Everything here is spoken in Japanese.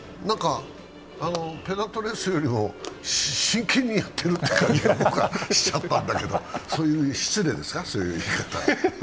ペナントレースよりも真剣にやってるって感じがしちゃったんですけど失礼ですか、そういう言い方。